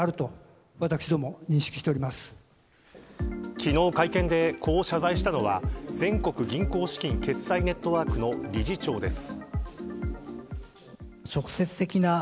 昨日、会見でこう謝罪したのは全国銀行資金決済ネットワークの理事長です。